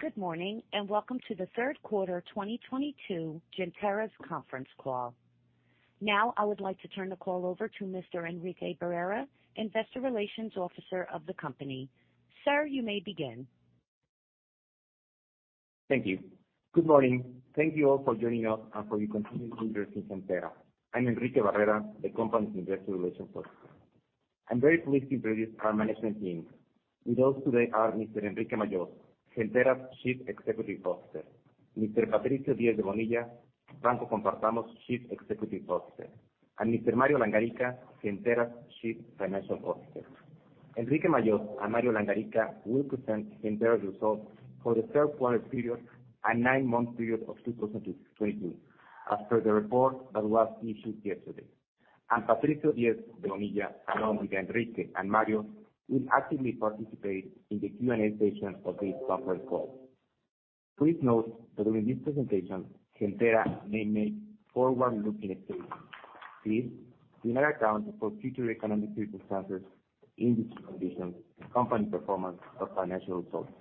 Good morning, and welcome to the third quarter 2022 Gentera's conference call. Now I would like to turn the call over to Mr. Enrique Barrera, Investor Relations Officer of the company. Sir, you may begin. Thank you. Good morning. Thank you all for joining us and for your continued interest in Gentera. I'm Enrique Barrera Flores, the company's investor relations officer. I'm very pleased to introduce our management team. With us today are Mr. Enrique Majós Ramírez, Gentera's chief executive officer, Mr. Patricio Diez de Bonilla, Banco Compartamos chief executive officer, and Mr. Mario Ignacio Langarica Ávila, Gentera's chief financial officer. Enrique Majós Ramírez and Mario Ignacio Langarica Ávila will present Gentera's results for the third quarter period and nine-month period of 2022, as per the report that was issued yesterday. Patricio Diez de Bonilla, along with Enrique and Mario, will actively participate in the Q&A session of this conference call. Please note that during this presentation, Gentera may make forward-looking statements. These do not account for future economic circumstances, industry conditions, and company performance or financial results.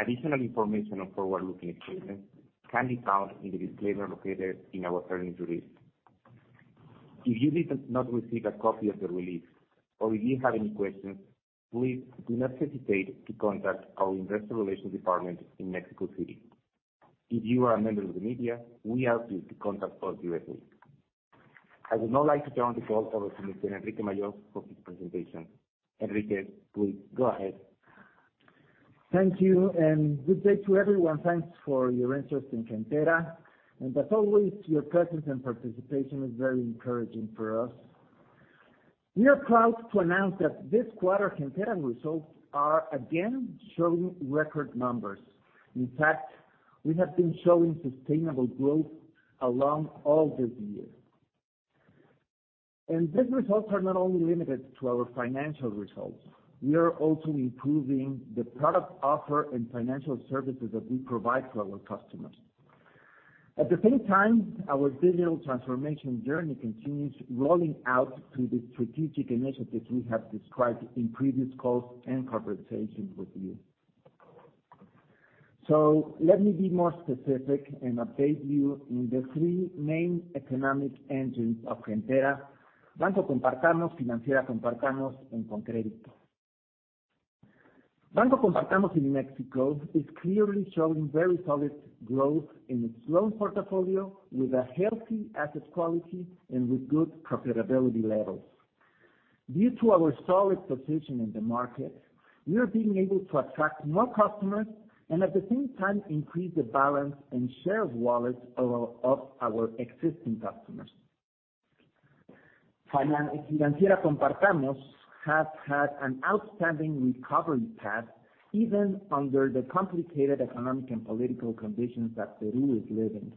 Additional information on forward-looking statements can be found in the disclaimer located in our earnings release. If you did not receive a copy of the release or if you have any questions, please do not hesitate to contact our investor relations department in Mexico City. If you are a member of the media, we ask you to contact us directly. I would now like to turn the call over to Mr. Enrique Majós Ramírez for his presentation. Enrique, please go ahead. Thank you and good day to everyone. Thanks for your interest in Gentera. As always, your presence and participation is very encouraging for us. We are proud to announce that this quarter Gentera results are again showing record numbers. In fact, we have been showing sustainable growth along all this year. These results are not only limited to our financial results, we are also improving the product offer and financial services that we provide to our customers. At the same time, our digital transformation journey continues rolling out through the strategic initiatives we have described in previous calls and conversations with you. Let me be more specific and update you in the three main economic engines of Gentera: Banco Compartamos Financiera, and ConCrédito. Banco Compartamos in Mexico is clearly showing very solid growth in its loan portfolio with a healthy asset quality and with good profitability levels. Due to our solid position in the market, we are being able to attract more customers and at the same time increase the balance and share of wallets of our existing customers. Compartamos Financiera has had an outstanding recovery path even under the complicated economic and political conditions that Peru is living.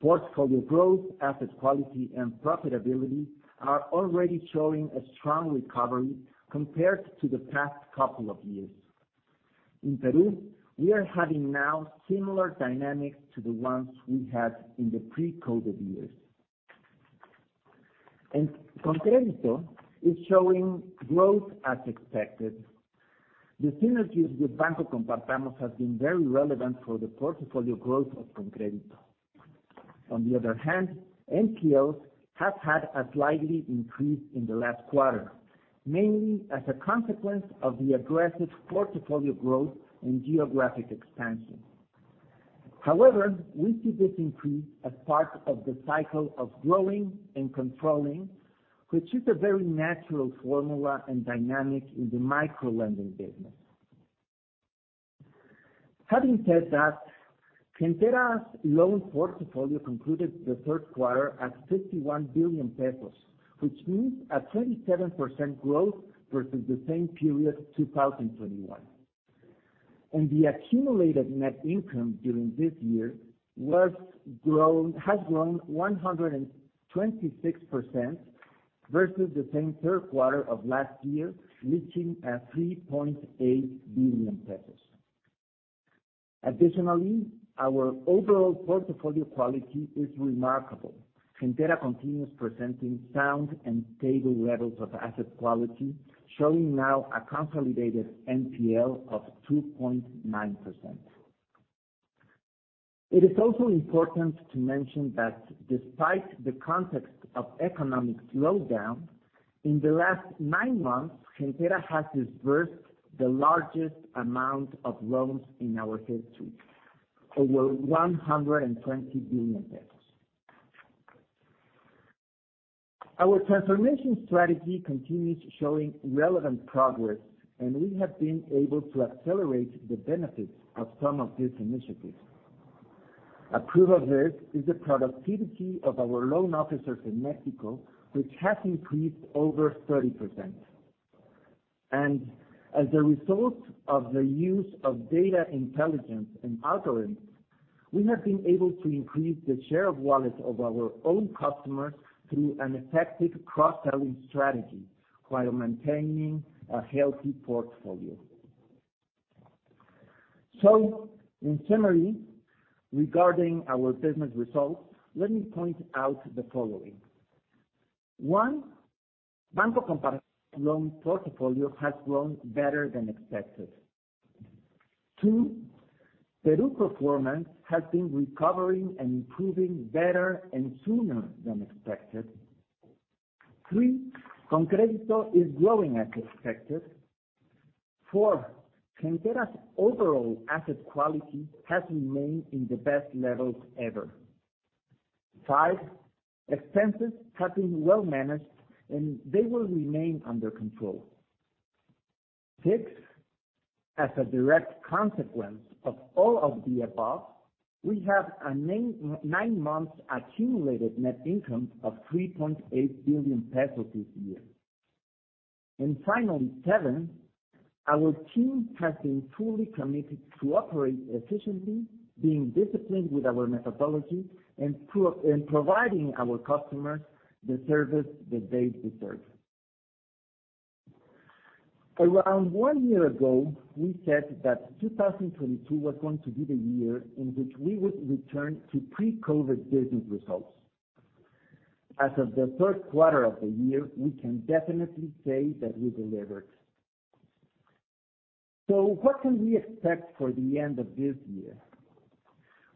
Portfolio growth, asset quality, and profitability are already showing a strong recovery compared to the past couple of years. In Peru, we are having now similar dynamics to the ones we had in the pre-COVID years. ConCrédito is showing growth as expected. The synergies with Banco Compartamos has been very relevant for the portfolio growth of ConCrédito. On the other hand, NPLs have had a slight increase in the last quarter, mainly as a consequence of the aggressive portfolio growth and geographic expansion. However, we see this increase as part of the cycle of growing and controlling, which is a very natural formula and dynamic in the micro-lending business. Having said that, Gentera's loan portfolio concluded the third quarter at 51 billion pesos, which means a 27% growth versus the same period 2021. The accumulated net income during this year has grown 126% versus the same third quarter of last year, reaching 3.8 billion pesos. Additionally, our overall portfolio quality is remarkable. Gentera continues presenting sound and stable levels of asset quality, showing now a consolidated NPL of 2.9%. It is also important to mention that despite the context of economic slowdown, in the last nine months, Gentera has disbursed the largest amount of loans in our history, over 120 billion pesos. Our transformation strategy continues showing relevant progress, and we have been able to accelerate the benefits of some of these initiatives. A proof of this is the productivity of our loan officers in Mexico, which has increased over 30%. As a result of the use of data intelligence and algorithms, we have been able to increase the share of wallets of our own customers through an effective cross-selling strategy while maintaining a healthy portfolio. In summary, regarding our business results, let me point out the following. One, Banco Compartamos's loan portfolio has grown better than expected. Two, Peru performance has been recovering and improving better and sooner than expected. Three, ConCrédito is growing as expected. Four, Gentera's overall asset quality has remained in the best levels ever. Five, expenses have been well-managed, and they will remain under control. Six, as a direct consequence of all of the above, we have a nine-month accumulated net income of 3.8 billion pesos this year. Finally, seven, our team has been fully committed to operate efficiently, being disciplined with our methodology, and providing our customers the service that they deserve. Around one year ago, we said that 2022 was going to be the year in which we would return to pre-COVID business results. As of the third quarter of the year, we can definitely say that we delivered. What can we expect for the end of this year?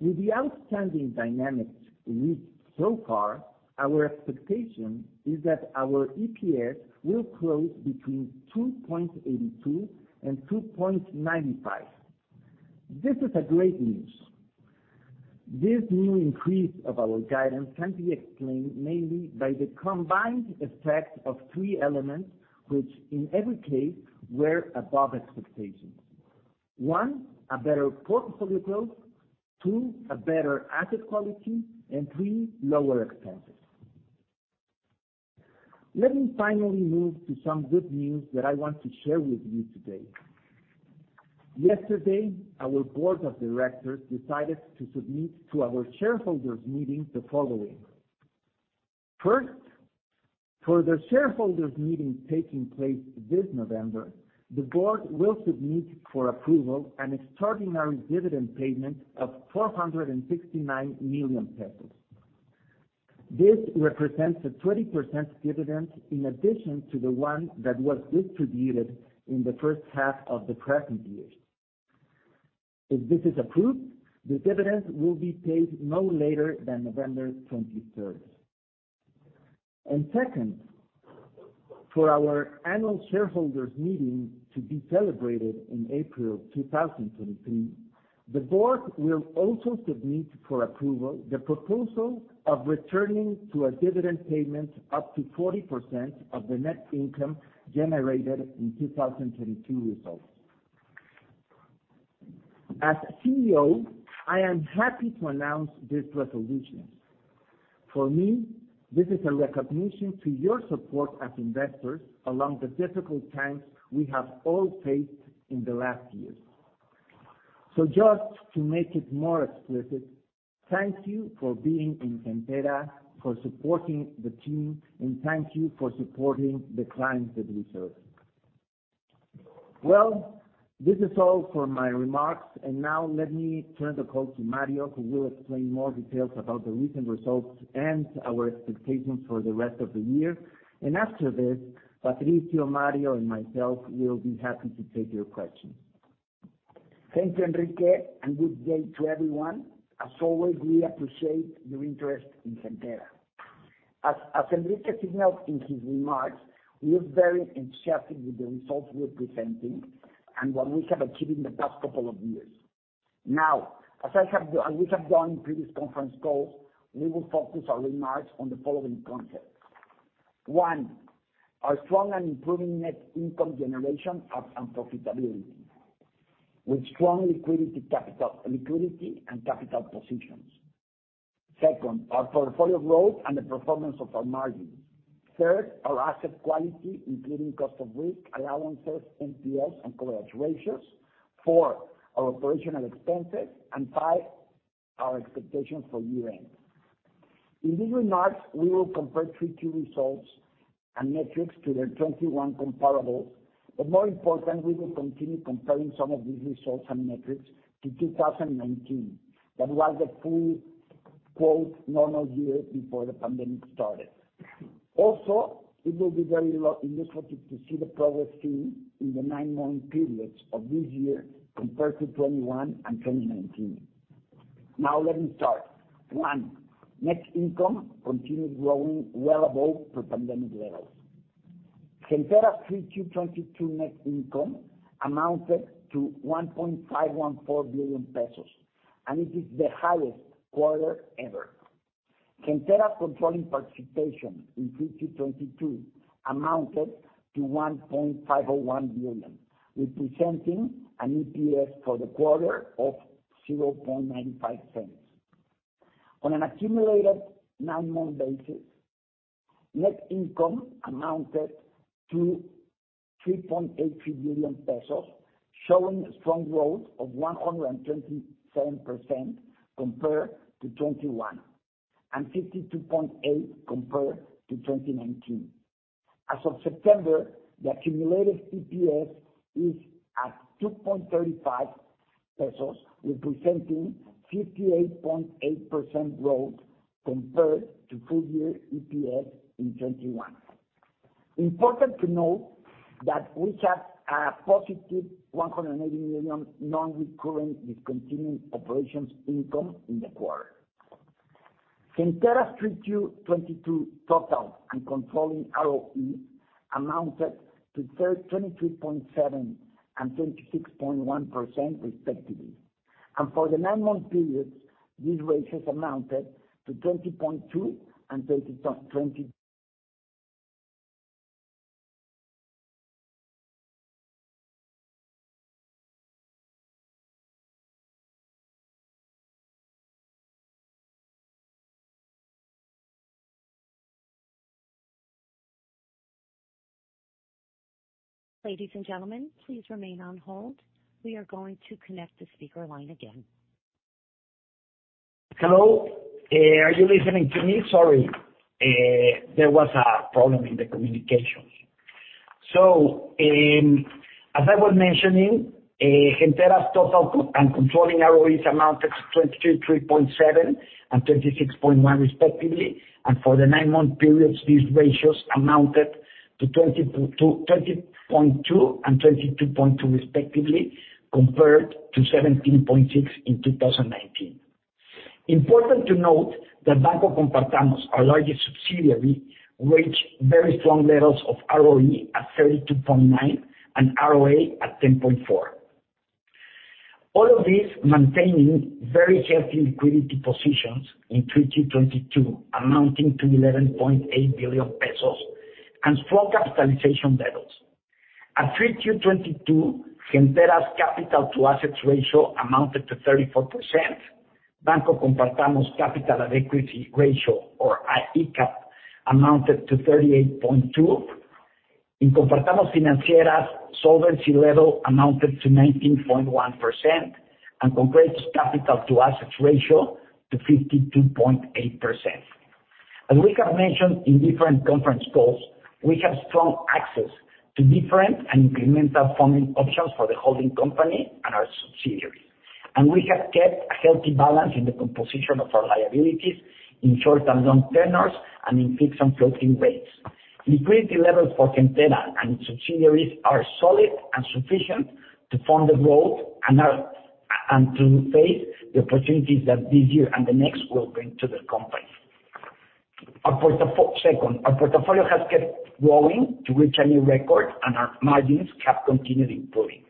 With the outstanding dynamics reached so far, our expectation is that our EPS will close between 2.82 and 2.95. This is great news. This new increase of our guidance can be explained mainly by the combined effect of three elements, which in every case were above expectations. One, a better portfolio growth, two, a better asset quality, and three, lower expenses. Let me finally move to some good news that I want to share with you today. Yesterday, our board of directors decided to submit to our shareholders' meeting the following. First, for the shareholders' meeting taking place this November, the board will submit for approval an extraordinary dividend payment of 469 million pesos. This represents a 20% dividend in addition to the one that was distributed in the first half of the present year. If this is approved, the dividend will be paid no later than November 23rd. Second, for our annual shareholders' meeting to be celebrated in April 2023, the board will also submit for approval the proposal of returning to a dividend payment up to 40% of the net income generated in 2022 results. As CEO, I am happy to announce these resolutions. For me, this is a recognition to your support as investors along the difficult times we have all faced in the last years. Just to make it more explicit, thank you for being in Gentera, for supporting the team, and thank you for supporting the clients that we serve. Well, this is all for my remarks. Now let me turn the call to Mario, who will explain more details about the recent results and our expectations for the rest of the year. After this, Patricio, Mario, and myself will be happy to take your questions. Thank you, Enrique, and good day to everyone. As always, we appreciate your interest in Gentera. As Enrique signaled in his remarks, we are very enthusiastic with the results we're presenting and what we have achieved in the past couple of years. Now, as we have done in previous conference calls, we will focus our remarks on the following concepts. One, our strong and improving net income generation and profitability, with strong liquidity and capital positions. Second, our portfolio growth and the performance of our margin. Third, our asset quality, including cost of risk, allowances, NPLs, and coverage ratios. Four, our operational expenses, and five, our expectations for year-end. In these remarks, we will compare 3Q results and metrics to their 2021 comparables, but more important, we will continue comparing some of these results and metrics to 2019. That was the full quote normal year before the pandemic started. Also, it will be very illustrative to see the progress seen in the nine-month periods of this year compared to 2021 and 2019. Now let me start. One, net income continued growing well above pre-pandemic levels. Gentera 3Q 2022 net income amounted to 1.514 billion pesos, and it is the highest quarter ever. Gentera controlling participation in 3Q 2022 amounted to 1.501 billion, representing an EPS for the quarter of 0.95. On an accumulated nine-month basis, net income amounted to 3.83 billion pesos, showing a strong growth of 127% compared to 2021, and 52.8% compared to 2019. As of September, the accumulated EPS is at 2.35 pesos, representing 58.8% growth compared to full year EPS in 2021. Important to note that we have a positive 180 million non-recurring discontinued operations income in the quarter. Gentera's 3Q22 total and controlling ROE amounted to 33.7% and 26.1% respectively. For the nine-month periods, these ratios amounted to 20.2% and 22.2% respectively, compared to 17.6% in 2019. Important to note that Banco Compartamos, our largest subsidiary, reached very strong levels of ROE at 32.9% and ROA at 10.4%. All of this maintaining very healthy liquidity positions in 3Q 2022 amounting to 11.8 billion pesos and strong capitalization levels. At 3Q 2022, Gentera's capital to assets ratio amounted to 34%. Banco Compartamos capital and equity ratio or ICAP amounted to 38.2%. In Compartamos Financiera, solvency level amounted to 19.1% and capital to assets ratio to 52.8%. As we have mentioned in different conference calls, we have strong access to different and incremental funding options for the holding company and our subsidiary. We have kept a healthy balance in the composition of our liabilities in short and long tenors and in fixed and floating rates. Liquidity levels for Gentera and its subsidiaries are solid and sufficient to fund the growth and are and to face the opportunities that this year and the next will bring to the company. Second, our portfolio has kept growing to reach a new record and our margins have continued improving.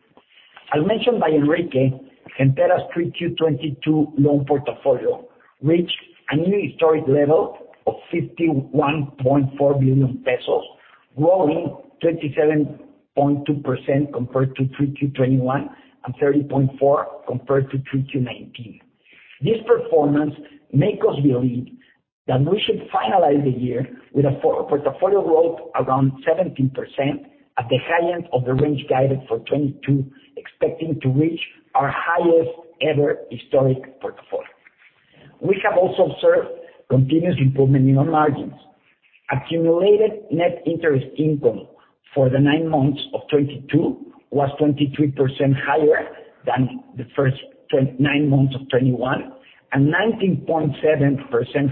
As mentioned by Enrique, Gentera's 3Q 2022 loan portfolio reached a new historic level of 51.4 billion pesos, growing 37.2% compared to 3Q21 and 30.4% compared to 3Q 2019. This performance make us believe that we should finalize the year with a portfolio growth around 17% at the high end of the range guided for 2022, expecting to reach our highest ever historic portfolio. We have also observed continuous improvement in our margins. Accumulated net interest income for the nine months of 2022 was 23% higher than the nine months of 2021, and 19.7%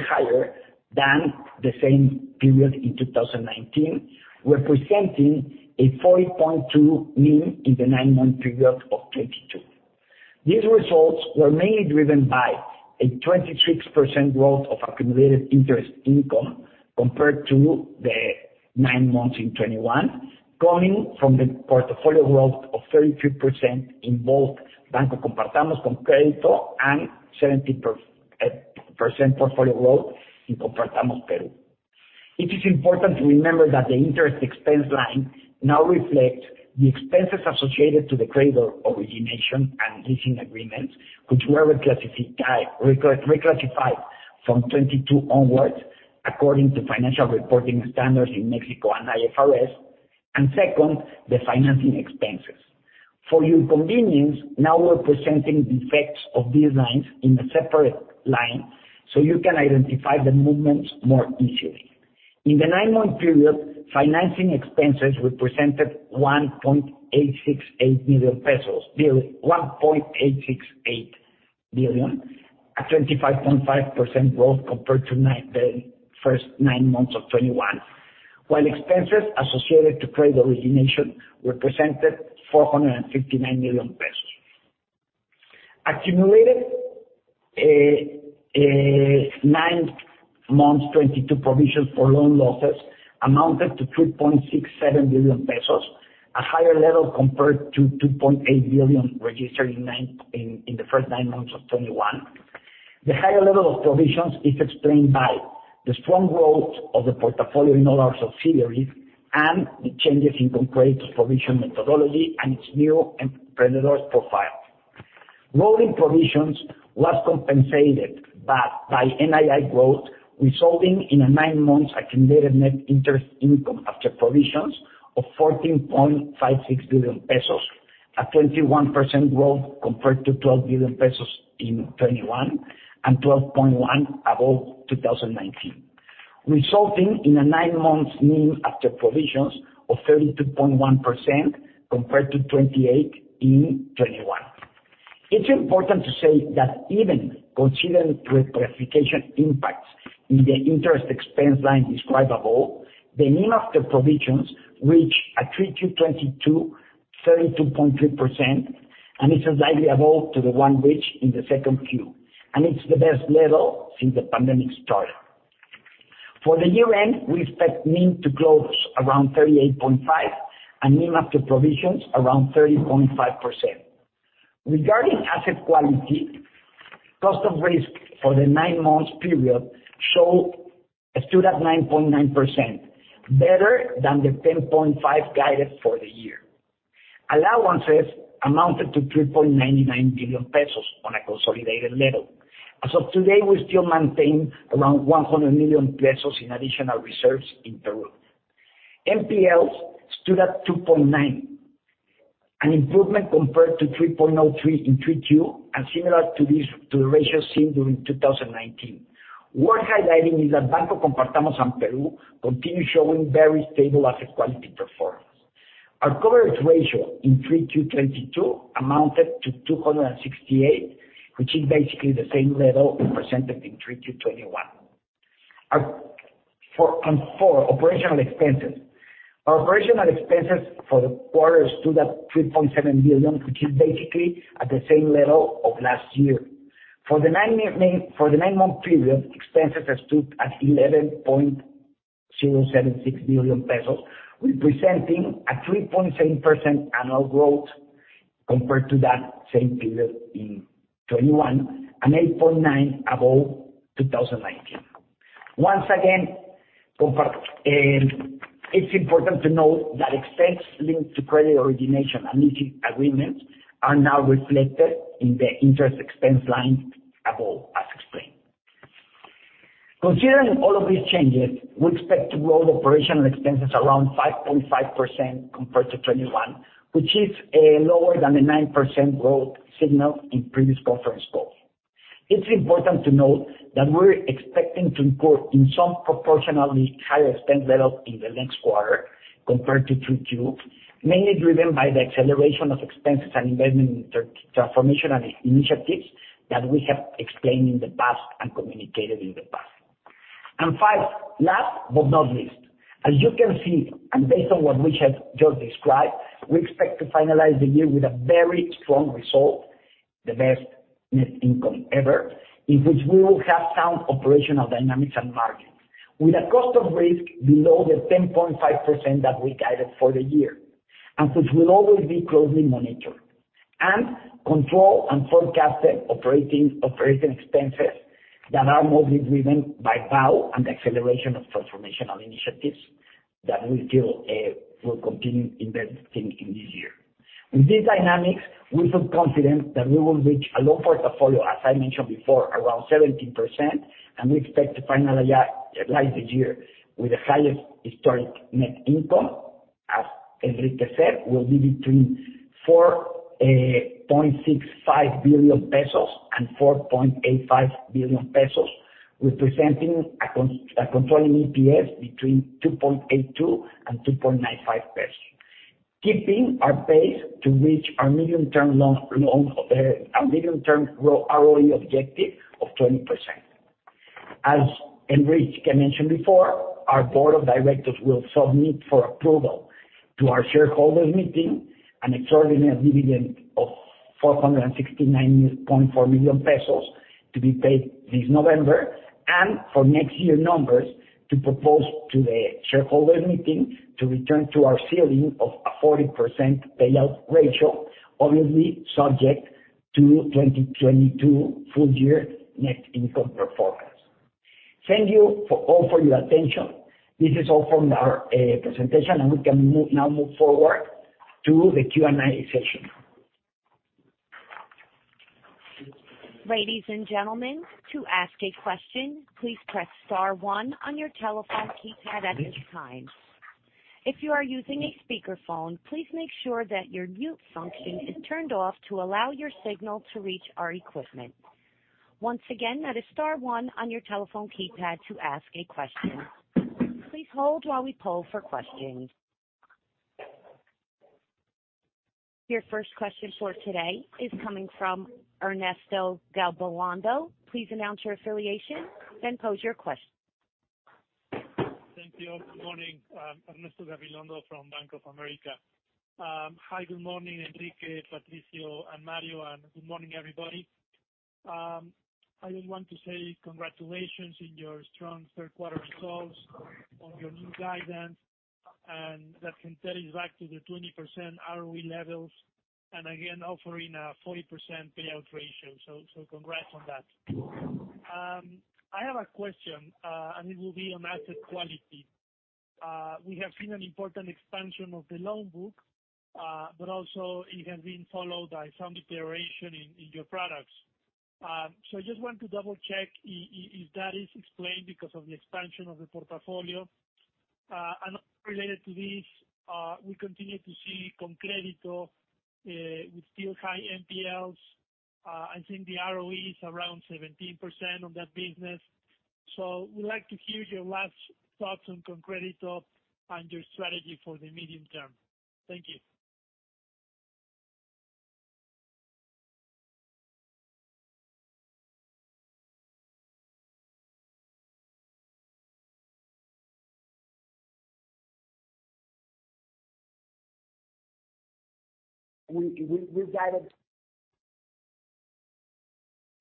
higher than the same period in 2019, representing a 4.2 NIM in the nine-month period of 2022. These results were mainly driven by a 26% growth of accumulated interest income compared to the nine months in 2021, coming from the portfolio growth of 33% in both Banco Compartamos and ConCrédito and 70% portfolio growth in Compartamos Financiera. It is important to remember that the interest expense line now reflect the expenses associated to the credit origination and leasing agreements, which were reclassified from 2022 onwards, according to financial reporting standards in Mexico and IFRS. Second, the financing expenses. For your convenience, now we're presenting the effects of these lines in a separate line, so you can identify the movements more easily. In the nine-month period, financing expenses represented 1.868 billion pesos, a 25.5% growth compared to the first nine months of 2021. While expenses associated to credit origination represented MXN 459 million. Accumulated nine months 2022 provisions for loan losses amounted to 3.67 billion pesos, a higher level compared to 2.8 billion registered in the first nine months of 2021. The higher level of provisions is explained by the strong growth of the portfolio in all our subsidiaries and the changes in the provision methodology and its new entrepreneurs profile. Growth in provisions was compensated by NII growth, resulting in a nine months accumulated net interest income after provisions of 14.56 billion pesos. A 21% growth compared to 12 billion pesos in 2021, and 12.1 billion above 2019, resulting in a nine months NIM after provisions of 32.1% compared to 28% in 2021. It's important to say that even considering reclassification impacts in the interest expense line described above, the NIM after provisions reach a 3Q 2022 32.3%, and it's slightly above the one reached in the 2Q. It's the best level since the pandemic started. For the year-end, we expect NIM to close around 38.5%, and NIM after provisions around 30.5%. Regarding asset quality, cost of risk for the nine-months period show it stood at 9.9%, better than the 10.5% guided for the year. Allowances amounted to 3.99 billion pesos on a consolidated level. As of today, we still maintain around 100 million pesos in additional reserves in Peru. NPLs stood at 2.9, an improvement compared to 3.03 in 3Q, and similar to this, to the ratio seen during 2019. Worth highlighting is that Banco Compartamos and Peru continue showing very stable asset quality performance. Our coverage ratio in 3Q22 amounted to 268, which is basically the same level presented in 3Q 2021. Our operational expenses. Our operational expenses for the quarter stood at 3.7 billion, which is basically at the same level of last year. For the nine-month period, expenses stood at 11.076 billion pesos, representing a 3.7% annual growth compared to that same period in 2021, and 8.9% above 2019. Once again, it's important to note that expense linked to credit origination and leasing agreements are now reflected in the interest expense line above, as explained. Considering all of these changes, we expect to grow the operational expenses around 5.5% compared to 2021, which is lower than the 9% growth signaled in previous conference calls. It's important to note that we're expecting to incur in some proportionally higher expense level in the next quarter compared to 3Q, mainly driven by the acceleration of expenses and investment in transformational initiatives that we have explained in the past and communicated in the past. Five, last but not least, as you can see, and based on what we have just described, we expect to finalize the year with a very strong result, the best net income ever, in which we will have sound operational dynamics and margins, with a cost of risk below the 10.5% that we guided for the year, and which will always be closely monitored, and control and forecasted operating expenses that are mostly driven by BAU and the acceleration of transformational initiatives that we still will continue investing in this year. With these dynamics, we feel confident that we will reach a loan portfolio, as I mentioned before, around 17%, and we expect to finalize the close this year with the highest historical net income. As Enrique said, we'll be between 4.65 billion pesos and 4.85 billion pesos, representing a consolidated EPS between 2.82 and 2.95 pesos, keeping our pace to reach our medium-term ROE objective of 20%. As Enrique mentioned before, our board of directors will submit for approval to our shareholders' meeting an extraordinary dividend of 469.4 million pesos to be paid this November. For next year numbers, to propose to the shareholders' meeting to return to our ceiling of a 40% payout ratio, obviously subject to 2022 full year net income performance. Thank you all for your attention. This is all from our presentation, and we can move forward to the Q&A session. Ladies and gentlemen, to ask a question, please press star one on your telephone keypad at any time. If you are using a speakerphone, please make sure that your mute function is turned off to allow your signal to reach our equipment. Once again, that is star one on your telephone keypad to ask a question. Please hold while we poll for questions. Your first question for today is coming from Ernesto Gabilondo. Please announce your affiliation, then pose your question. Thank you. Good morning. Ernesto Gabilondo from Bank of America. Hi, good morning, Enrique, Patricio, and Mario, and good morning, everybody. I just want to say congratulations on your strong third quarter results, on your new guidance, and that can take you back to the 20% ROE levels, and again, offering a 40% payout ratio. Congrats on that. I have a question, and it will be on asset quality. We have seen an important expansion of the loan book, but also it has been followed by some deterioration in your products. I just want to double-check if that is explained because of the expansion of the portfolio. Related to this, we continue to see ConCrédito with still high NPLs. I think the ROE is around 17% on that business. We'd like to hear your last thoughts on ConCrédito and your strategy for the medium term? Thank you. We guided.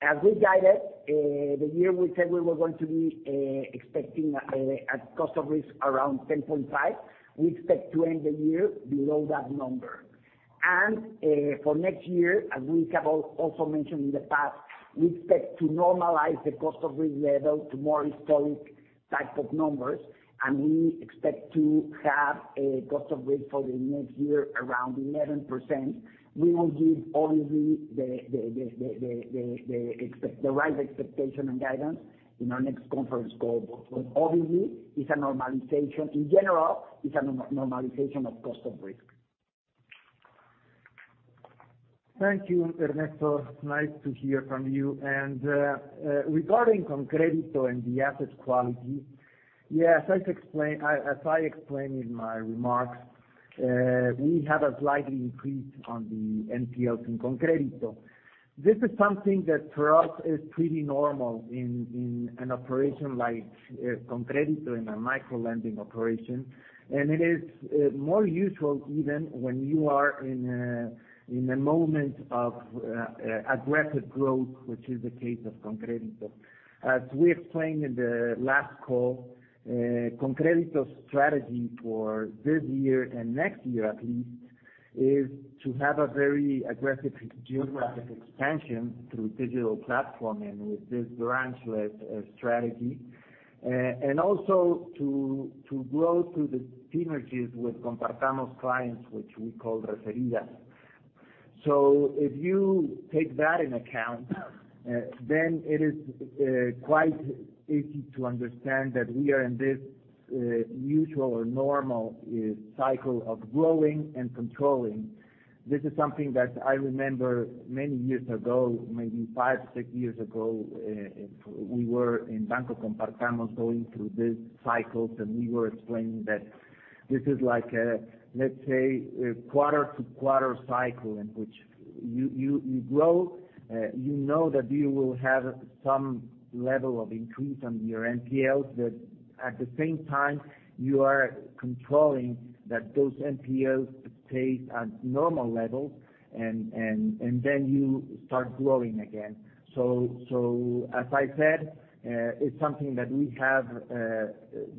As we guided, the year we said we were going to be expecting a cost of risk around 10.5%. We expect to end the year below that number. For next year, as we have also mentioned in the past, we expect to normalize the cost of risk level to more historic type of numbers, and we expect to have a cost of risk for the next year around 11%. We will give obviously the right expectation and guidance in our next conference call. Obviously, it's a normalization. In general, it's a normalization of cost of risk. Thank you, Ernesto. Nice to hear from you. Regarding ConCrédito and the asset quality, yes, as explained, I try explaining my remarks. We have a slight increase on the NPL from ConCrédito. This is something that for us is pretty normal in an operation like ConCrédito, in a micro-lending operation. It is more usual even when you are in a moment of aggressive growth, which is the case of ConCrédito. As we explained in the last call, ConCrédito's strategy for this year and next year at least is to have a very aggressive geographic expansion through digital platform and with this branch-less strategy. Also to grow through the synergies with Compartamos clients, which we call Referidas. If you take that into account, then it is quite easy to understand that we are in this usual or normal cycle of growing and controlling. This is something that I remember many years ago, maybe five, six years ago, we were in Banco Compartamos going through these cycles, and we were explaining that this is like a, let's say, a quarter to quarter cycle in which you grow, you know that you will have some level of increase on your NPL, but at the same time, you are controlling that those NPLs stay at normal levels and then you start growing again. As I said, it's something that we have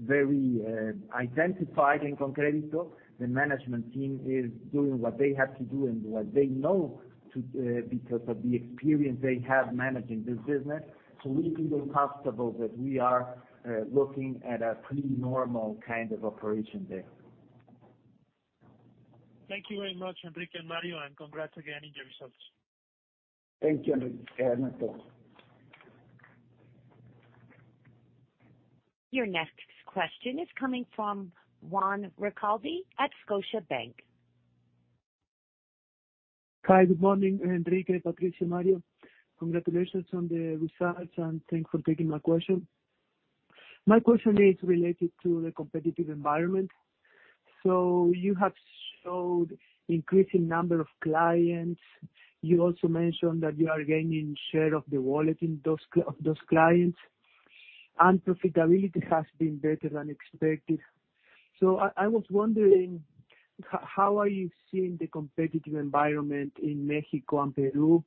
very well identified in ConCrédito. The management team is doing what they have to do and what they know to, because of the experience they have managing this business. We feel comfortable that we are looking at a pretty normal kind of operation there. Thank you very much, Enrique and Mario, and congrats again on your results Thank you, Ernesto. Your next question is coming from Juan Recalde at Scotiabank. Hi. Good morning, Enrique, Patricio, Mario. Congratulations on the results, and thanks for taking my question. My question is related to the competitive environment. You have showed increasing number of clients. You also mentioned that you are gaining share of the wallet in those clients, and profitability has been better than expected. I was wondering how are you seeing the competitive environment in Mexico and Peru?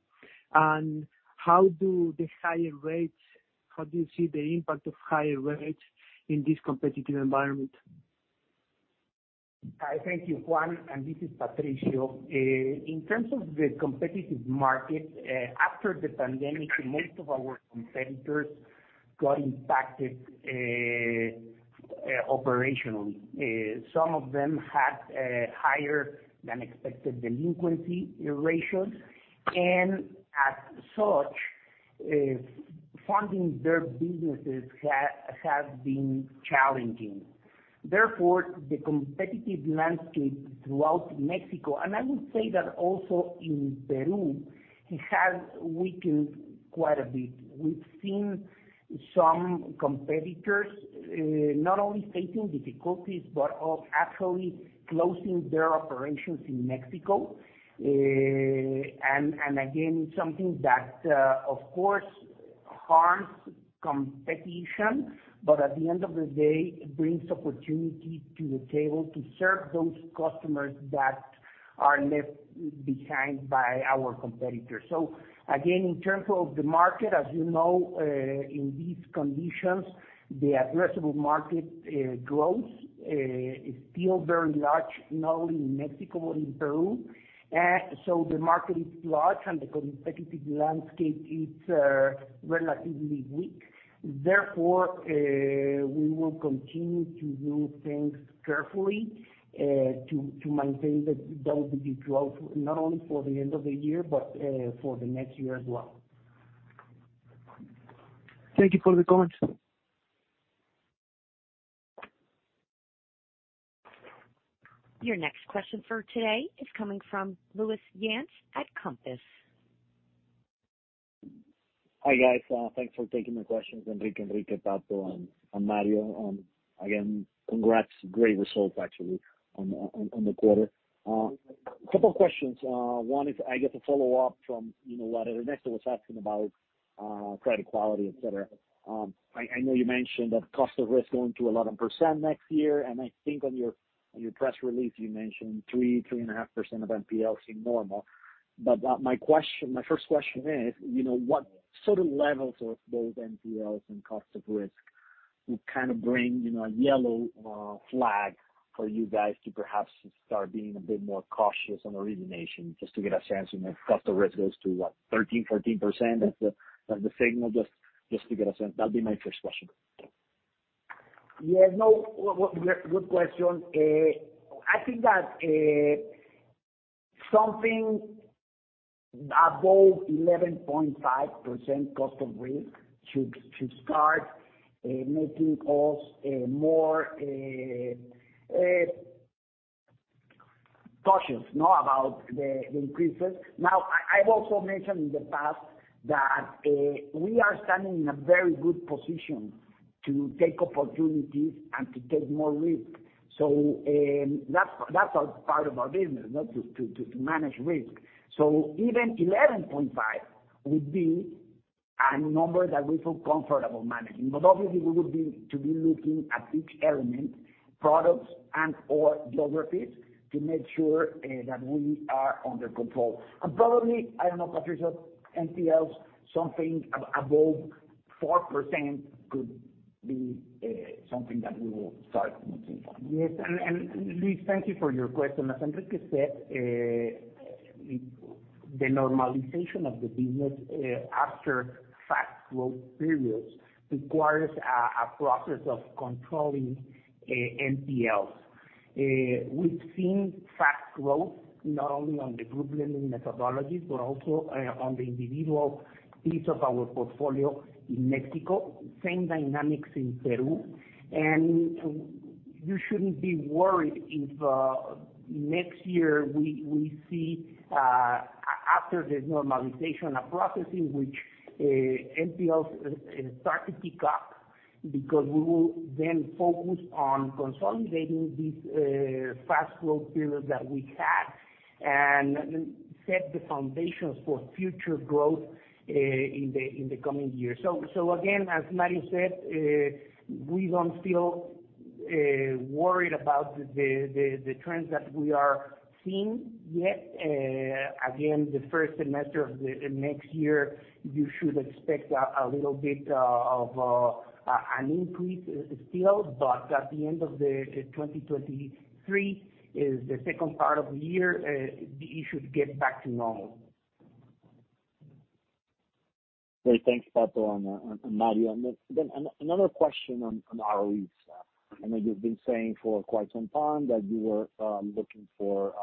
How do you see the impact of higher rates in this competitive environment? Hi. Thank you, Juan, and this is Patricio. In terms of the competitive market, after the pandemic, most of our competitors got impacted operationally. Some of them had higher than expected delinquency ratios, and as such, funding their businesses has been challenging. Therefore, the competitive landscape throughout Mexico, and I would say that also in Peru, it has weakened quite a bit. We've seen some competitors not only facing difficulties, but of actually closing their operations in Mexico. Again, something that of course harms competition, but at the end of the day, brings opportunity to the table to serve those customers that are left behind by our competitors. Again, in terms of the market, as you know, in these conditions, the addressable market growth is still very large, not only in Mexico, but in Peru. The market is large and the competitive landscape is relatively weak. Therefore, we will continue to do things carefully to maintain the WGB growth, not only for the end of the year, but for the next year as well. Thank you for the comments. Your next question for today is coming from Luis Yance at Compass. Hi, guys. Thanks for taking my questions. Enrique, Pato, and Mario. Again, congrats. Great results actually on the quarter. Couple questions. One is, I guess, a follow-up from, you know, what Ernesto was asking about, credit quality, et cetera. I know you mentioned that cost of risk going to 11% next year, and I think on your press release you mentioned three and a half percent of NPL seem normal. My first question is, you know, what sort of levels of both NPLs and cost of risk would kind of bring, you know, a yellow flag for you guys to perhaps start being a bit more cautious on origination? Just to get a sense, you know, if cost of risk goes to, what, 13%-14% as the signal. Just to get a sense. That'd be my first question. Good question. I think that something above 11.5% cost of risk should start making us more cautious, no? About the increases. Now, I've also mentioned in the past that we are standing in a very good position to take opportunities and to take more risk. That's a part of our business, no? To manage risk. So even 11.5% would be a number that we feel comfortable managing. But obviously we would be looking at each element, products and/or geographies, to make sure that we are under control. Probably, I don't know, Patricio, NPLs something above 4% could be something that we will start looking for. Yes. Luis, thank you for your question. As Enrique said, the normalization of the business after fast growth periods requires a process of controlling NPLs. We've seen fast growth not only on the group lending methodologies, but also on the individual piece of our portfolio in Mexico. Same dynamics in Peru. You shouldn't be worried if next year we see after the normalization of processing, which NPLs start to pick up, because we will then focus on consolidating these fast growth periods that we had and set the foundations for future growth in the coming years. Again, as Mario said, we don't feel worried about the trends that we are seeing yet. Again, the first semester of the next year, you should expect a little bit of an increase still. At the end of the 2023 is the second part of the year, it should get back to normal. Great. Thanks, Pato and Mario. Another question on ROEs. I know you've been saying for quite some time that you were looking for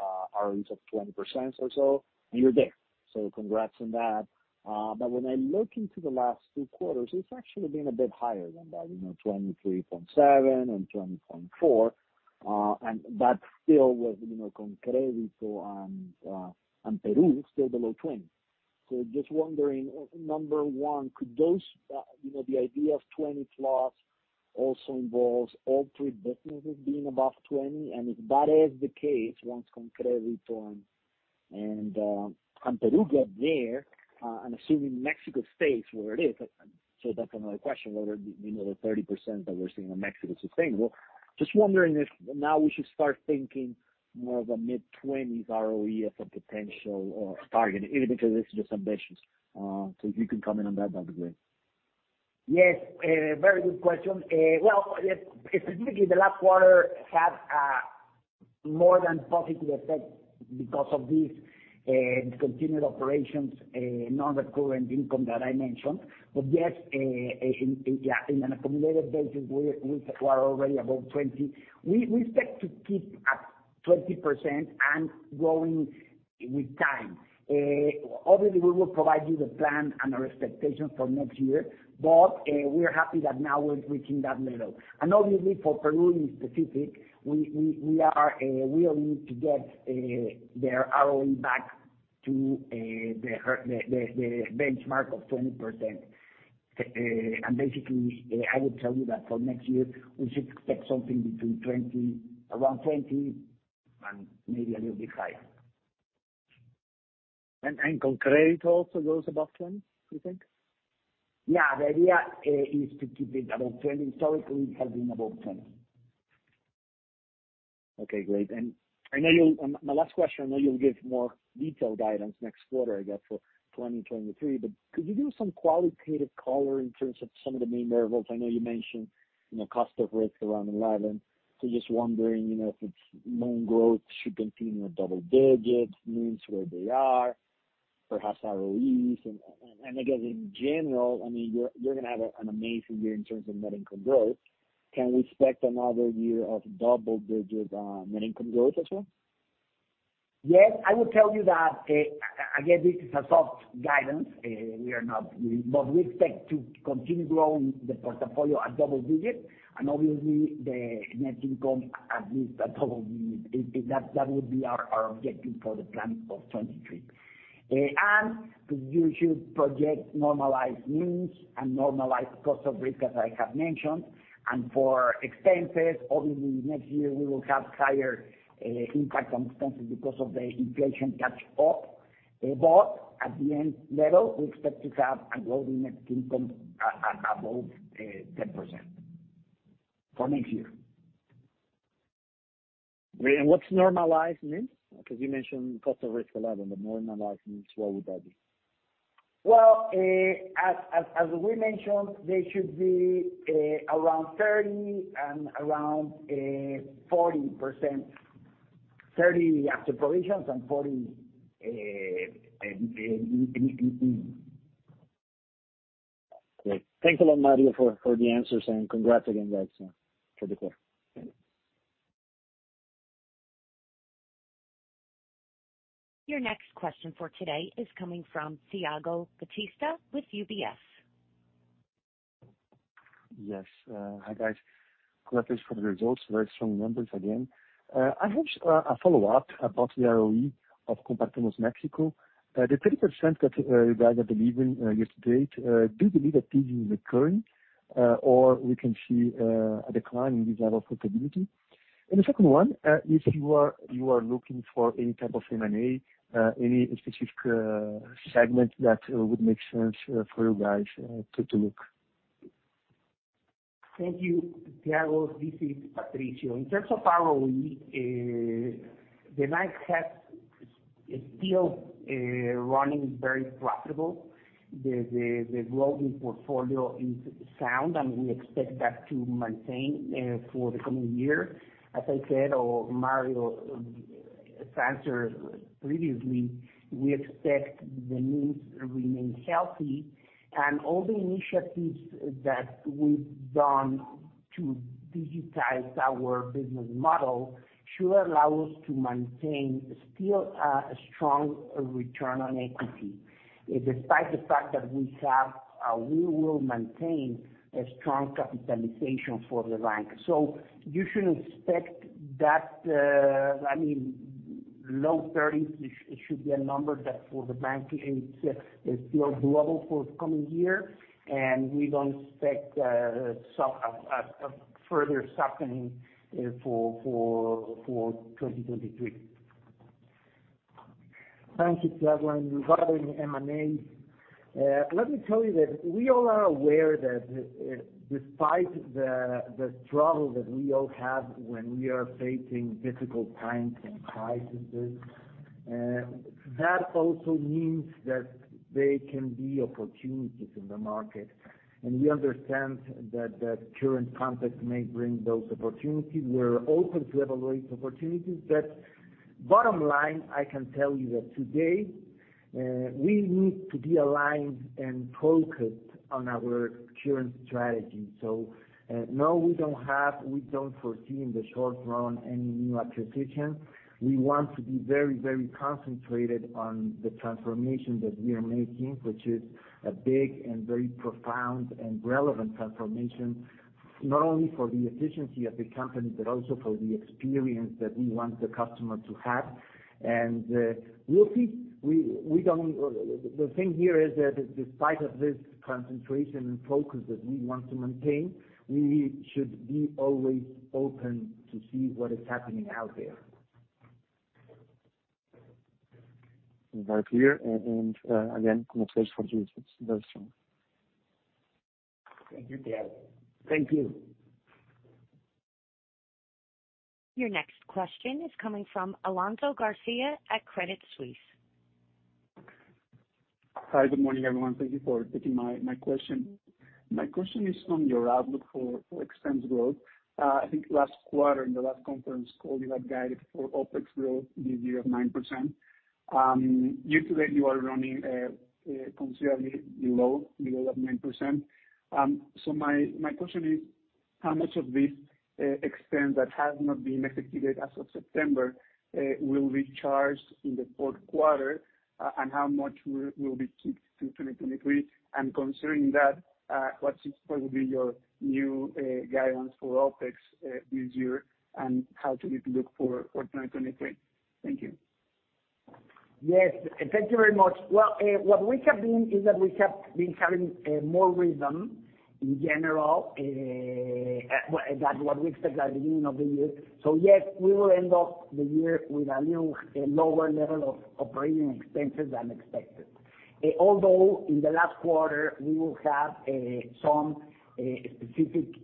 ROEs of 20% or so, and you're there. Congrats on that. But when I look into the last two quarters, it's actually been a bit higher than that, you know, 23.7% and 20.4%. That still was ConCrédito and Peru still below 20%. Just wondering, number one, could those the idea of 20% plus also involves all three businesses being above 20%. If that is the case, once ConCrédito and Peru get there, I'm assuming Mexico stays where it is. That's another question, whether the 30% that we're seeing in Mexico is sustainable. Just wondering if now we should start thinking more of a mid-twenties ROE as a potential target, even if it relates to just ambitions? If you can comment on that'd be great. Yes, very good question. Well, specifically the last quarter had a more than positive effect because of this, discontinued operations, non-recurrent income that I mentioned. Yes, in an accumulated basis, we are already above 20%. We expect to keep at 20% and growing with time. Obviously we will provide you the plan and our expectations for next year, but we are happy that now we're reaching that level. Obviously for Peru specifically, we are. We all need to get their ROE back to the benchmark of 20%. Basically, I would tell you that for next year we should expect something between 20%, around 20% and maybe a little bit higher. ConCrédito also goes above 20%, you think? Yeah. The idea is to keep it above 20%. Historically it has been above 20%. Okay, great. My last question, I know you'll give more detailed guidance next quarter, I guess, for 2023, but could you give some qualitative color in terms of some of the main variables? I know you mentioned, you know, cost of risk around 11%. Just wondering, you know, if loan growth should continue at double digits, meaning where they are, perhaps ROEs. Again, in general, I mean, you're gonna have an amazing year in terms of net income growth. Can we expect another year of double digit net income growth as well? Yes, I will tell you that, again, this is a soft guidance. We expect to continue growing the portfolio at double digits, and obviously the net income at least at double digits. That would be our objective for the plan of 2023. You should project normalized NIMs and normalized cost of risk, as I have mentioned. For expenses, obviously next year we will have higher impact on expenses because of the inflation catch-up. At the end level, we expect to have a growing net income above 10% for next year. What's normalized NIMs? Because you mentioned cost of risk a lot, but normalized NIMs, what would that be? Well, as we mentioned, they should be around 30% and around 40%. 30% after provisions and 40% in NIM. Great. Thanks a lot, Mario, for the answers, and congrats again, guys, for the quarter. Thank you. Your next question for today is coming from Thiago Batista with UBS. Yes. Hi, guys. Congrats for the results. Very strong numbers again. I have a follow-up about the ROE of Banco Compartamos. The 30% that you guys are delivering year to date, do you believe that this is recurring or we can see a decline in this level of profitability? The second one, if you are looking for any type of M&A, any specific segment that would make sense for you guys to look? Thank you, Thiago. This is Patricio. In terms of ROE, the bank is still running very profitable. The growing portfolio is sound, and we expect that to maintain for the coming year. As I said, or Mario answered previously, we expect the NIMs to remain healthy. All the initiatives that we've done to digitize our business model should allow us to maintain still a strong return on equity, despite the fact that we will maintain a strong capitalization for the bank. You should expect that, I mean, low 30s% should be a number that for the bank is still doable for coming year. We don't expect a further softening for 2023. Thank you, Thiago. Regarding M&A, let me tell you that we all are aware that, despite the struggle that we all have when we are facing difficult times and crises, that also means that there can be opportunities in the market. We understand that the current context may bring those opportunities. We're open to evaluate opportunities. Bottom line, I can tell you that today, we need to be aligned and focused on our current strategy. No, we don't foresee in the short run any new acquisitions. We want to be very, very concentrated on the transformation that we are making, which is a big and very profound and relevant transformation, not only for the efficiency of the company, but also for the experience that we want the customer to have. We'll see. The thing here is that despite of this concentration and focus that we want to maintain, we should be always open to see what is happening out there. Very clear. Again, congratulations for the results. Very strong. Thank you, Thiago. Thank you. Your next question is coming from Alonso Garcia at Credit Suisse. Hi. Good morning, everyone. Thank you for taking my question. My question is on your outlook for expense growth. I think last quarter, in the last conference call, you had guided for OpEx growth this year of 9%. Year to date, you are running considerably below that 9%. My question is how much of this expense that has not been executed as of September will be charged in the fourth quarter, and how much will be kicked to 2023? Considering that, what will be your new guidance for OpEx this year, and how should we look for 2023? Thank you. Yes, thank you very much. Well, what we have been is that we have been having more rhythm in general than what we expected at the beginning of the year. Yes, we will end up the year with a new lower level of operating expenses than expected. Although in the last quarter, we will have some specific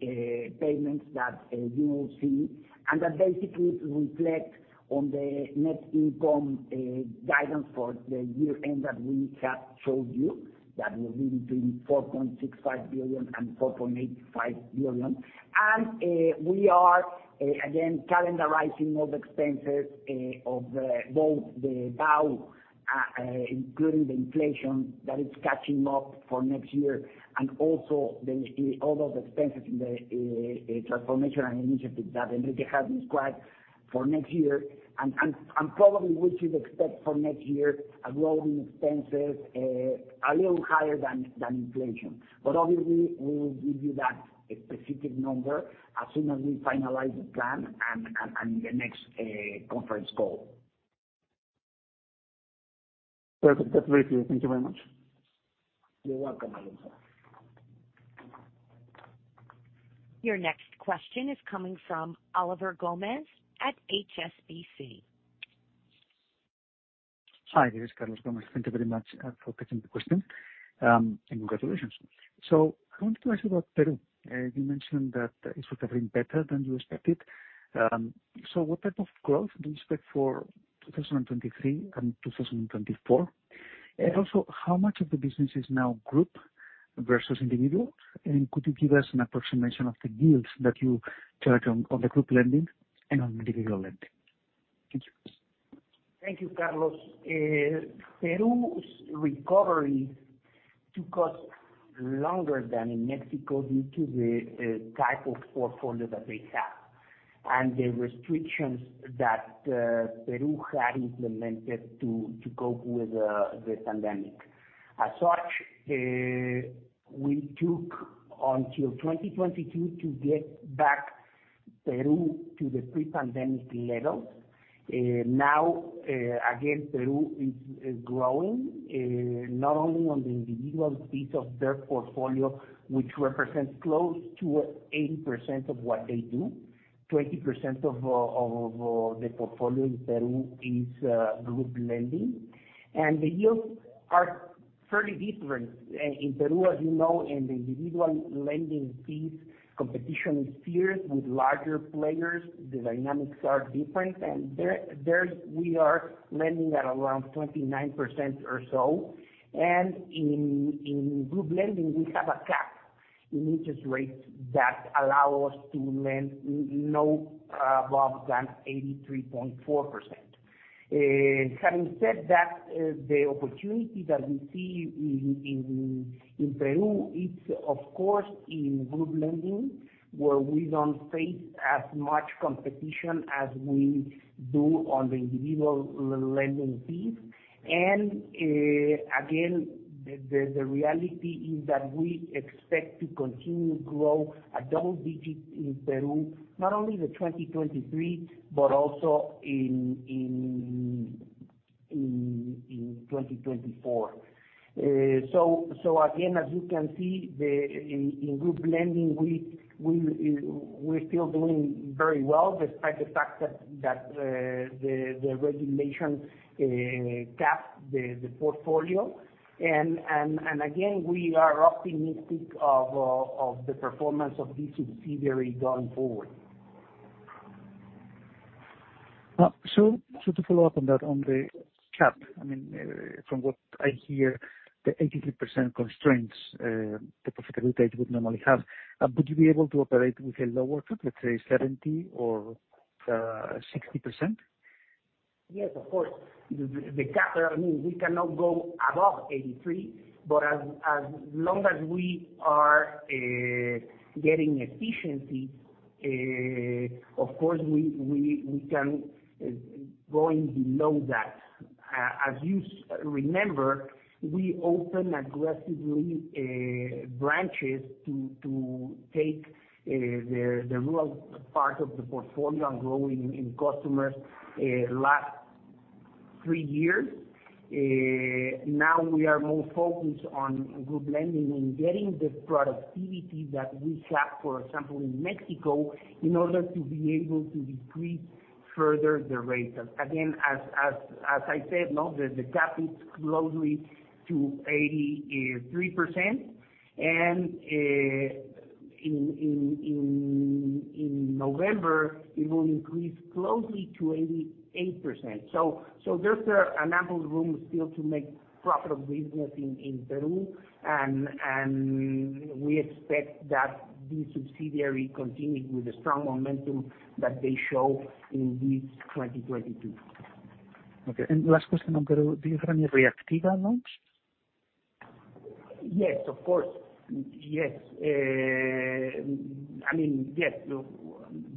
payments that you will see and that basically reflect on the net income guidance for the year-end that we have showed you. That will be between 4.65 billion and 4.85 billion. We are again calendarizing those expenses of both the BAU, including the inflation that is catching up for next year, and also all those expenses in the transformation and initiatives that Enrique has described for next year. Probably we should expect for next year a growth in expenses a little higher than inflation. Obviously, we will give you that specific number as soon as we finalize the plan and in the next conference call. Perfect. That's very clear. Thank you very much. You're welcome, Alonso. Your next question is coming from Carlos Gomez-Lopez at HSBC. Hi, this is Carlos Gomez-Lopez. Thank you very much for taking the question. Congratulations. I want to ask you about Peru. You mentioned that it's recovering better than you expected. What type of growth do you expect for 2023 and 2024? Also, how much of the business is now group versus individual? Could you give us an approximation of the yields that you charge on the group lending and on individual lending? Thank you. Thank you, Carlos. Peru's recovery took us longer than in Mexico due to the type of portfolio that they have and the restrictions that Peru had implemented to cope with the pandemic. As such, we took until 2022 to get back Peru to the pre-pandemic levels. Now, again, Peru is growing, not only on the individual piece of their portfolio, which represents close to 80% of what they do. 20% of the portfolio in Peru is group lending. The yields are fairly different. In Peru, as you know, in the individual lending fees, competition is fierce with larger players. The dynamics are different. There we are lending at around 29% or so. In group lending, we have a cap in interest rates that allow us to lend not above 83.4%. Having said that, the opportunity that we see in Peru is of course in group lending, where we don't face as much competition as we do on the individual lending fees. Again, the reality is that we expect to continue to grow double digit in Peru, not only in 2023, but also in 2024. Again, as you can see, in group lending we are still doing very well, despite the fact that the regulation capped the portfolio. Again, we are optimistic of the performance of this subsidiary going forward. To follow up on that, on the cap, I mean, from what I hear, the 83% constraints, the profitability would normally have. Would you be able to operate with a lower cap, let's say 70% or 60%? Yes, of course. I mean, we cannot go above 83%, but as long as we are getting efficiency, of course, we can going below that. As you remember, we open aggressively branches to take the rural part of the portfolio and growing in customers last three years. Now we are more focused on group lending and getting the productivity that we have, for example, in Mexico, in order to be able to decrease further the rates. Again, as I said, the cap is close to 83%. In November, it will increase close to 88%. There's an ample room still to make profitable business in Peru. We expect that this subsidiary continue with the strong momentum that they show in this 2022. Okay. Last question on Peru. Do you have any Reactiva loans? Yes, of course. Yes. I mean, yes.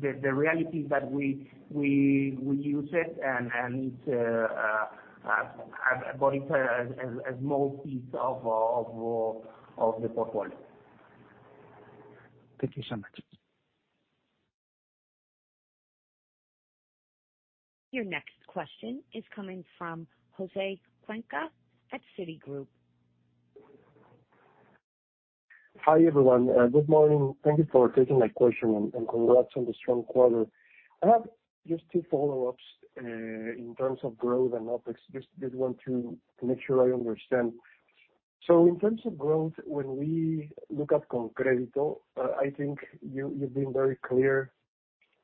The reality is that we use it and as a very small piece of the portfolio. Thank you so much. Your next question is coming from Jose Cuenca at Citigroup. Hi, everyone. Good morning. Thank you for taking my question, and congrats on the strong quarter. I have just two follow-ups in terms of growth and OpEx. Just did want to make sure I understand. In terms of growth, when we look at ConCrédito, I think you've been very clear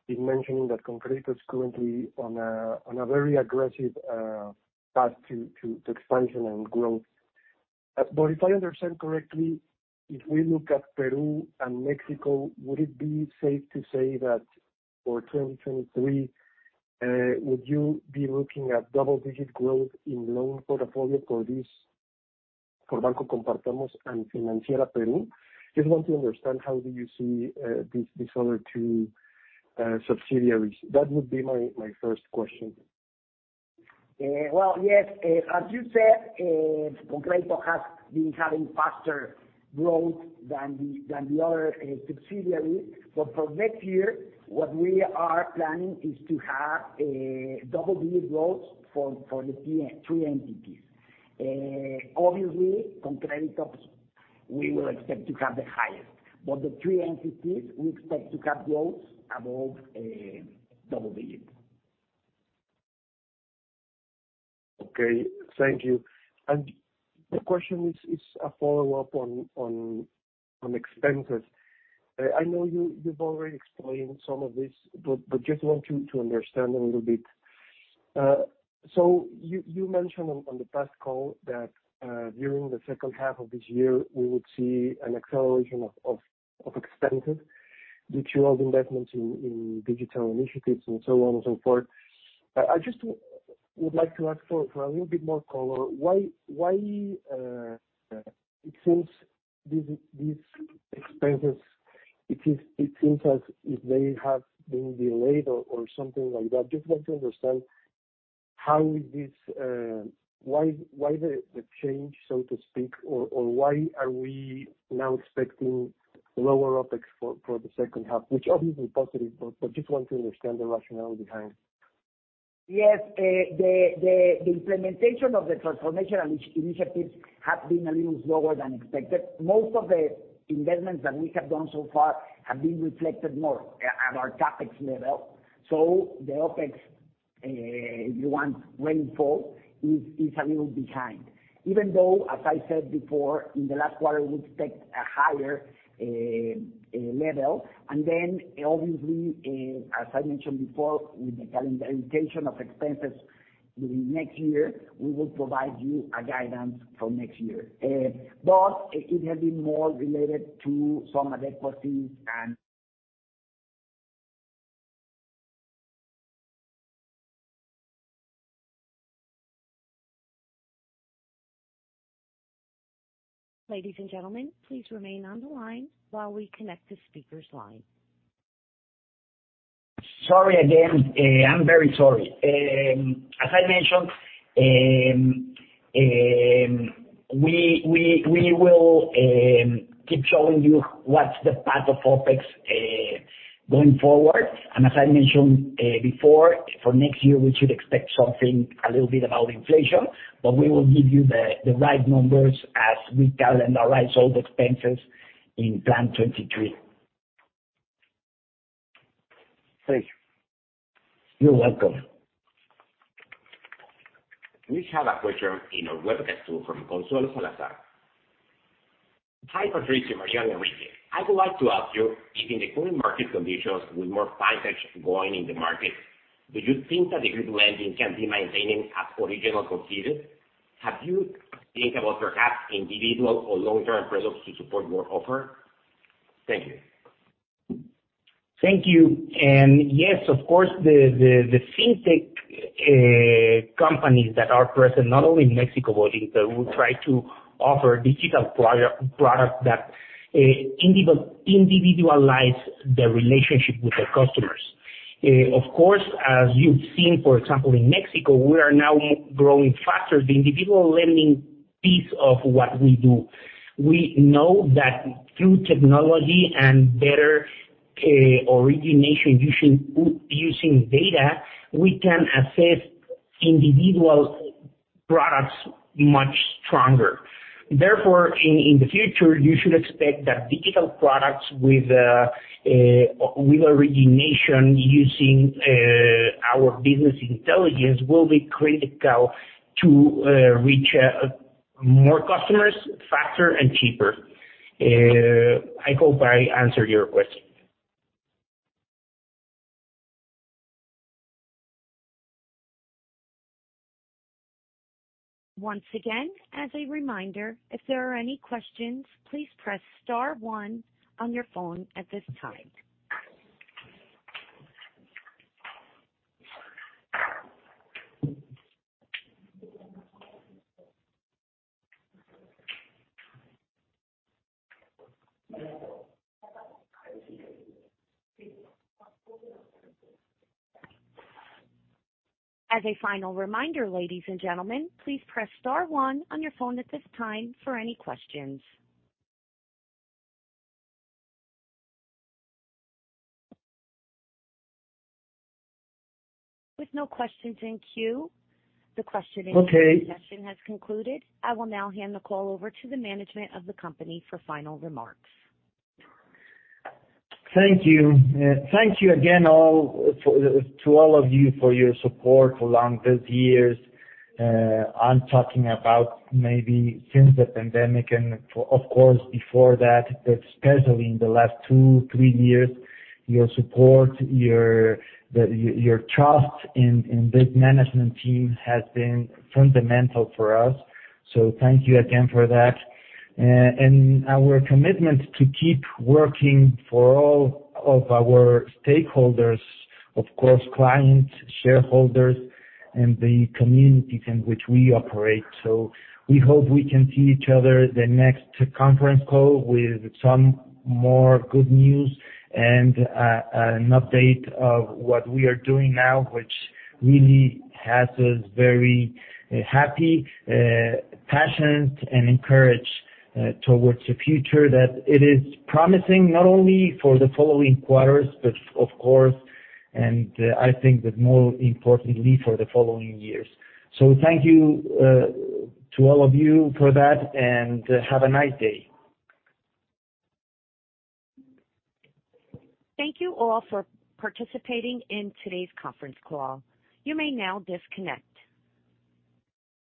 in mentioning that ConCrédito is currently on a very aggressive path to expansion and growth. If I understand correctly, if we look at Perú and México, would it be safe to say that for 2023, would you be looking at double-digit growth in loan portfolio for Banco Compartamos and Compartamos Financiera? Just want to understand how do you see these other two subsidiaries. That would be my first question. Well, yes. As you said, ConCrédito has been having faster growth than the other subsidiaries. For next year, what we are planning is to have double-digit growth for the three entities. Obviously ConCrédito is We will expect to have the highest, but the three entities, we expect to cap those above double digits. Okay, thank you. The question is a follow-up on expenses. I know you've already explained some of this, but just want to understand a little bit. So you mentioned on the past call that during the second half of this year, we would see an acceleration of expenses due to all the investments in digital initiatives and so on and so forth. I just would like to ask for a little bit more color. Why it seems these expenses, it seems as if they have been delayed or something like that. Just want to understand how this. Why the change, so to speak? Why are we now expecting lower OpEx for the second half, which obviously positive, but just want to understand the rationale behind? Yes. The implementation of the transformational initiatives have been a little slower than expected. Most of the investments that we have done so far have been reflected more at our CapEx level. The OpEx run rate, if you will, is a little behind. Even though, as I said before, in the last quarter, we expect a higher level. Obviously, as I mentioned before, with the calendarization of expenses during next year, we will provide you a guidance for next year. It has been more related to some adequacies and. Ladies and gentlemen, please remain on the line while we connect the speaker's line. Sorry again. I'm very sorry. As I mentioned, we will keep showing you what's the path of OpEx going forward. As I mentioned before, for next year, we should expect something a little bit about inflation, but we will give you the right numbers as we calendarize all the expenses in plan 2023. Thank you. You're welcome. We have a question in our webcast tool from Consuelo Salazar. Hi, Patricio, Mario and Enrique. I would like to ask you, given the current market conditions with more Fintech going in the market, do you think that the group lending can be maintaining as original considered? Have you think about perhaps individual or long-term products to support your offer? Thank you. Thank you. Yes, of course, the Fintech companies that are present not only in Mexico, but in, they will try to offer digital product that individualize the relationship with the customers. Of course, as you've seen, for example, in Mexico, we are now growing faster the individual lending piece of what we do. We know that through technology and better origination using data, we can assess individual products much stronger. Therefore, in the future, you should expect that digital products with origination using our business intelligence will be critical to reach more customers faster and cheaper. I hope I answered your question. Once again, as a reminder, if there are any questions, please press star one on your phone at this time. As a final reminder, ladies and gentlemen, please press star one on your phone at this time for any questions. With no questions in queue, the question- Okay. Q&A session has concluded. I will now hand the call over to the management of the company for final remarks. Thank you. Thank you again all to all of you for your support along these years. I'm talking about maybe since the pandemic and, of course, before that, but especially in the last two, three years. Your support, your trust in this management team has been fundamental for us. Thank you again for that. Our commitment to keep working for all of our stakeholders, of course, clients, shareholders, and the communities in which we operate. We hope we can see each other the next conference call with some more good news and an update of what we are doing now, which really has us very happy, passionate, and encouraged towards the future that it is promising, not only for the following quarters, but of course and I think that more importantly for the following years. Thank you to all of you for that, and have a nice day. Thank you all for participating in today's conference call. You may now disconnect.